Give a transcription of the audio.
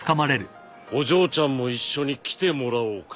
お嬢ちゃんも一緒に来てもらおうかな。